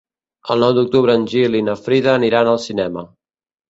El nou d'octubre en Gil i na Frida aniran al cinema.